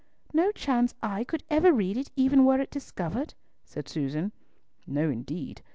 "No chance eye could read it even were it discovered?" said Susan. "No, indeed.